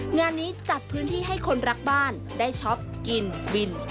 งานนี้จัดพื้นที่ให้คนรักบ้านได้ช็อปกินบิน